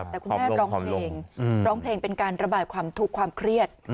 แต่คุณแม่ร้องเพลงร้องเพลงเป็นการระบายความทุกข์ความเครียด